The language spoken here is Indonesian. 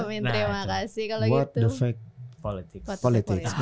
amin terima kasih kalau gitu ya